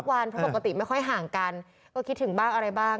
วันเพราะปกติไม่ค่อยห่างกันก็คิดถึงบ้างอะไรบ้าง